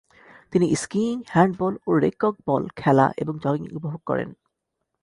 তিনি skiing, handball ও racquetball খেলা এবং জগিং উপভোগ করেন।